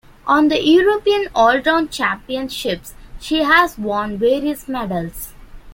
On the European Allround Championships she has won various medals.